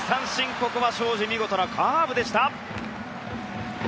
ここは荘司見事なカーブでした。